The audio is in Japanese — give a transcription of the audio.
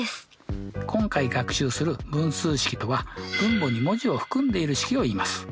今回学習する分数式とは分母に文字を含んでいる式をいいます。